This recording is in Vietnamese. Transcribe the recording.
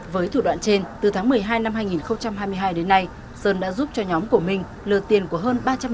với thủ đoạn trên từ tháng một mươi hai năm hai nghìn hai mươi hai đến nay sơn đã giúp cho nhóm của minh lượt tiền của hơn một triệu đồng